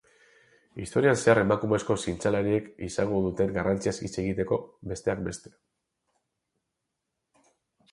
Historian zehar emakumezko zientzialariek izan duten garrantziaz hitz egiteko, besteak beste.